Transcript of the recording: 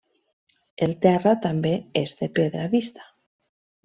El terra també és de pedra vista.